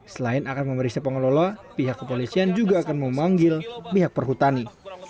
selain akan memeriksa pengelola pihak kepolisian juga akan memanggil pihak perhutani